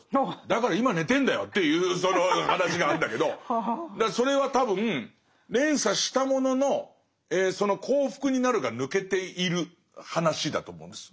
だから今寝てるんだよっていうその話があるんだけどそれは多分連鎖したもののその「幸福になる」が抜けている話だと思うんです。